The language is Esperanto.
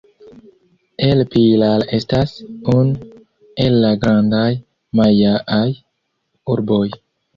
El Pilar estas unu el la grandaj majaaj urboj.